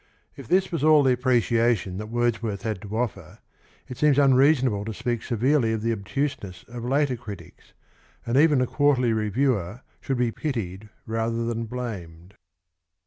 *^"''^^*^!^^^ If this was all the appreciation that Wordsworth had to offer it seems unreasonable to speak severely of the obtuseness of later critics, and even the Quarterly Reviewer should be pitied rather than blamed.